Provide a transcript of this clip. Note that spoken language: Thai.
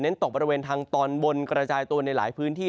ตกบริเวณทางตอนบนกระจายตัวในหลายพื้นที่